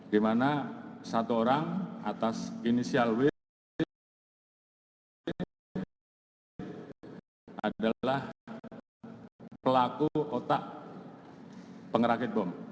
di mana satu orang atas inisial w adalah pelaku otak pengerakit bom